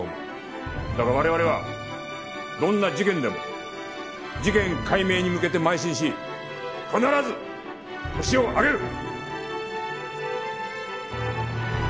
だが我々はどんな事件でも事件解明に向けて邁進し必ずホシを挙げる！